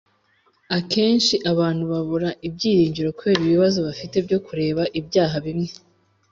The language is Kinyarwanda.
Akenshi abantu babura ibyiringiro kubera ibibazo bafite byo kureka ibyaha bimwe.